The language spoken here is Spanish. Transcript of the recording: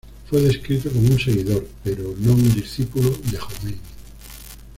Fue descrito como un seguidor, pero no un discípulo de Jomeini.